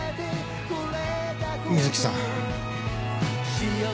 美月さん。